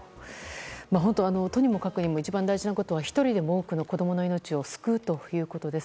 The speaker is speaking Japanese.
とにもかくにも一番大事なことは１人でも多くの子供の命を救うということです。